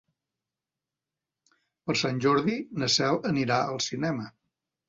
Per Sant Jordi na Cel anirà al cinema.